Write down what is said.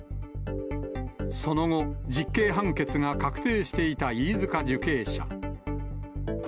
その後、実刑判決が確定していた飯塚受刑者。